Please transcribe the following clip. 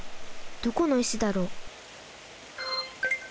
どこの石だろう？